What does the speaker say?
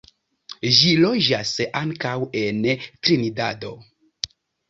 Ĝi loĝas ankaŭ en Trinidado.